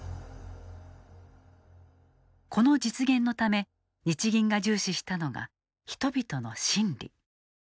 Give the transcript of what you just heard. この実現のため日銀が重視したのが人々の心理。